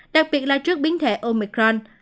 đặc biệt là trước biến thể omicron